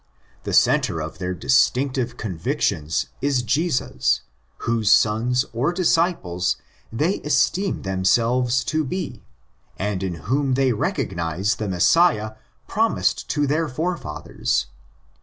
The centre of their distinctive convictions is Jesus, whose sons or disciples they esteem themselves to be, and in whom they recognise the Messiah promised to their fore fathers.